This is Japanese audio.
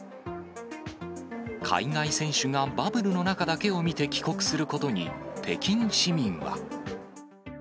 海外選手がバブルの中だけを見て帰国することに、北京市民は。